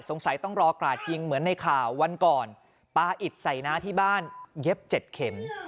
ต้องรอกราดยิงเหมือนในข่าววันก่อนปลาอิดใส่น้าที่บ้านเย็บเจ็ดเข็ม